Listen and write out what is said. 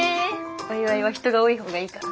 お祝いは人が多いほうがいいから。